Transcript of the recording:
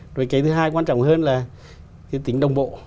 rồi cái thứ hai quan trọng hơn là cái tính đồng bộ